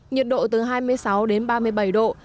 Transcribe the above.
nhiệt độ từ hai mươi sáu đến ba mươi bảy độ